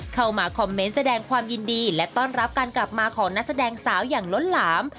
เข้ามาคอมเมนต์แสดงความยินดีและต้อนรับการกลับมาของนักแสดงสาวอย่างล้นหลาม